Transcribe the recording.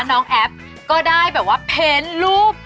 น้องแอฟก็ได้แบบว่าเพนก์รูป